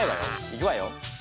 行くわよ。